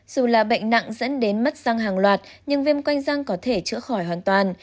dù là bệnh nặng dẫn đến mất răng hàng loạt nhưng viêm quanh răng có thể chữa khỏi hoàn toàn